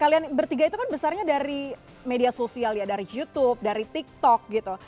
kalian bertiga itu kan besarnya dari media sosial ya dari youtube dari tiktok gitu